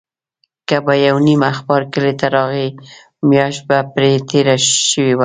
که به یو نیم اخبار کلي ته راغی، میاشت به پرې تېره شوې وه.